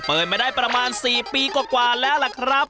เปิดมาได้ประมาณ๔ปีกว่าแล้วล่ะครับ